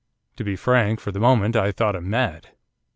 To be frank, for the moment I thought him mad.